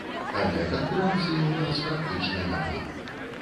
Але канкурэнцыі ў нас практычна няма.